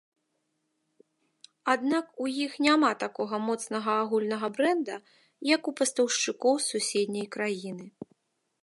Аднак у іх няма такога моцнага агульнага брэнда, як у пастаўшчыкоў з суседняй краіны.